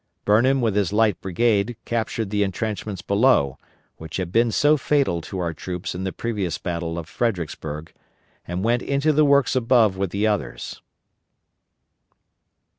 Burnham with his Light Brigade captured the intrenchments below, which had been so fatal to our troops in the previous battle of Fredericksburg, and went into the works above with the others.